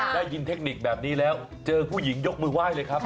ได้ยินเทคนิคแบบนี้แล้วเจอผู้หญิงยกมือไหว้เลยครับ